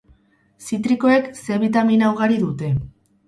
Zitrikoek C bitamina ugari dute.